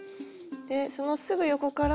でそのすぐ横から。